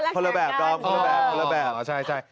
คนละแบบก่อนคนละแบบ